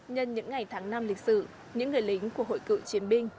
nhân những ngày tháng năm lịch sử những người lính của hội cựu chiến binh